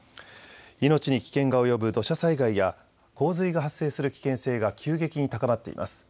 命に危険が及ぶ土砂災害や洪水が発生する危険性が急激に高まっています。